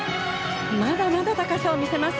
まだまだ高さを見せます。